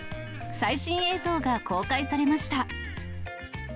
最新映像が公開されました。